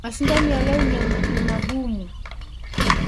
Mashindano ya leo ni magumu.